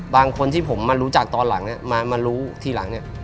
บางคนที่ผมมารู้จักตอนหลังมารู้ทีหลังเนี่ย